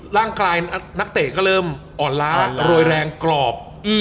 ร่างกายนักเตะก็เริ่มอ่อนล้ารวยแรงกรอบ